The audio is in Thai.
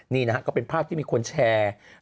นี่นะครับก็เป็นภาพที่มีคนแชร์